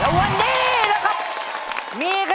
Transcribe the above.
วันนี้นะครับ